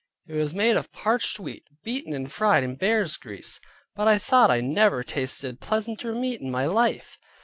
It was made of parched wheat, beaten, and fried in bear's grease, but I thought I never tasted pleasanter meat in my life.